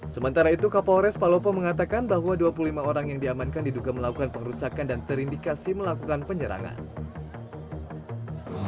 sementara itu kapolres palopo mengatakan bahwa dua puluh lima orang yang diamankan diduga melakukan pengerusakan dan terindikasi melakukan penyerangan